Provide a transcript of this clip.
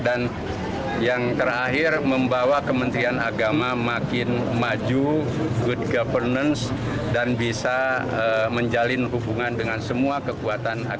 dan yang terakhir membawa kementerian agama makin maju good governance dan bisa menjalin hubungan dengan semua kekuatan agama